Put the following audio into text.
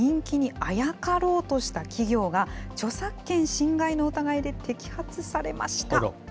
この人気にあやかろうとした企業が、著作権侵害の疑いで摘発されました。